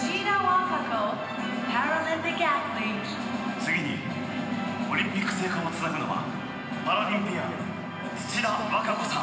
次にオリンピック聖火をつなぐのはパラリンピアン土田和歌子さん。